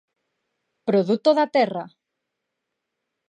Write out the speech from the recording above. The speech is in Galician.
Produto da Terra!